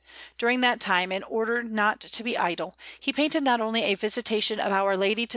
During that time, in order not to be idle, he painted not only a Visitation of Our Lady to S.